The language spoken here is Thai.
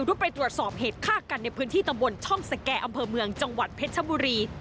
รุดไปตรวจสอบเหตุฆ่ากันในพื้นที่ตำบลช่องสแก่อำเภอเมืองจังหวัดเพชรชบุรี